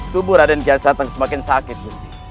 tubuh raden kiasanto semakin sakit